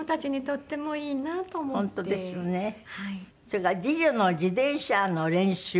それから次女の自転車の練習？